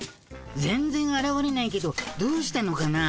全然あらわれないけどどうしたのかな？